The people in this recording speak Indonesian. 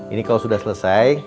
ini kalau sudah selesai